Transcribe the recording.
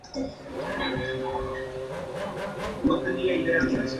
dice que los personajes que forman ese grupo no saben tocar una nota